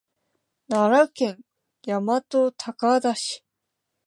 奈良県大和高田市